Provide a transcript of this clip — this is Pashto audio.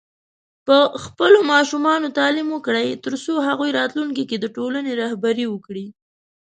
په خپلو ماشومانو تعليم وکړئ، ترڅو هغوی راتلونکي کې د ټولنې رهبري وکړي.